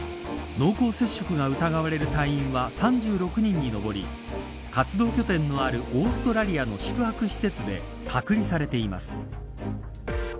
濃厚接触が疑われる隊員は３６人に上り活動拠点のあるオーストラリアの宿泊施設で隔離されています。